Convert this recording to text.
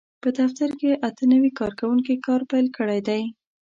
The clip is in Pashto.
په دفتر کې اته نوي کارکوونکي کار پېل کړی دی.